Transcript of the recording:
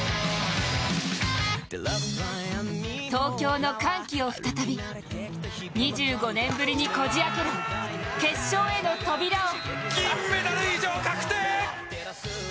東京の歓喜を再び２５年ぶりにこじあけろ、決勝への扉を！